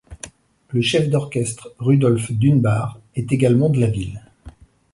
Le chef d'orchestre Rudolph Dunbar est également de la ville.